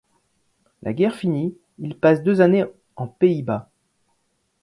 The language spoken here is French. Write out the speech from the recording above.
La guerre finie, il passe deux années en Pays-Bas.